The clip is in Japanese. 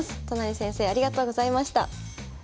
都成先生ありがとうございました。